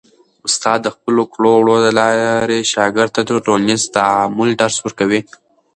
استاد د خپلو کړو وړو د لارې شاګرد ته د ټولنیز تعامل درس ورکوي.